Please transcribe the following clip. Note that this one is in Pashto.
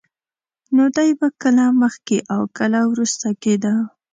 نو دی به کله مخکې او کله وروسته کېده.